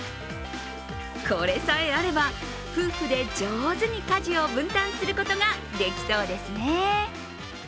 これさえあれば、夫婦で上手に家事を分担することができそうですね。